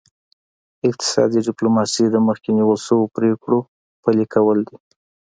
اقتصادي ډیپلوماسي د مخکې نیول شوو پریکړو پلي کول دي